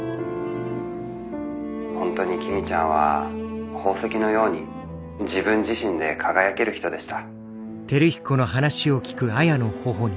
「本当に公ちゃんは宝石のように自分自身で輝ける人でした」。